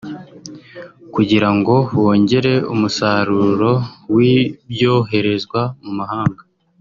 kugira ngo bongere umusaruro w’ibyoherezwa mu mahanga